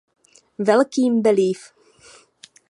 Velkým Bellevue.